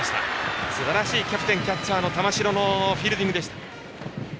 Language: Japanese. すばらしいキャプテンキャッチャーの玉城のフィールディングでした。